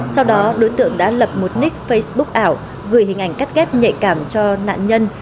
sau đó đối tượng đã lập một nick facebook ảo gửi hình ảnh cắt ghép nhạy cảm cho nạn nhân